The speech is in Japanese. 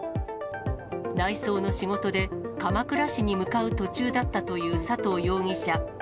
内装の仕事で鎌倉市に向かう途中だったという佐藤容疑者。